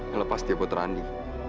ngelepas dia buat randi